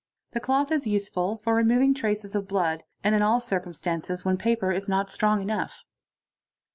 The cloth is useful for removing trac of blood, and in all circumstances when paper is not strong enough.